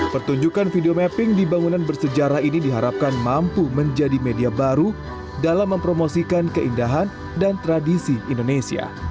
pertunjukan video mapping di bangunan bersejarah ini diharapkan mampu menjadi media baru dalam mempromosikan keindahan dan tradisi indonesia